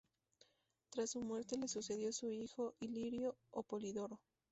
Tras su muerte le sucedió su hijo Ilirio o Polidoro.